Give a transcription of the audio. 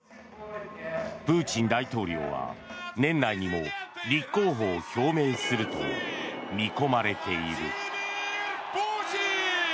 プーチン大統領は年内にも立候補を表明すると見込まれている。